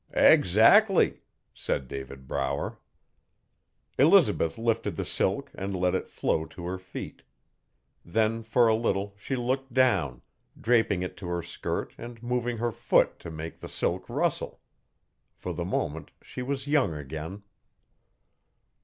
'Eggzac'ly!' said David Brower. Elizabeth lifted the silk and let it flow to her feet Then for a little she looked down, draping it to her skirt and moving her foot to make the silk rustle. For the moment she was young again.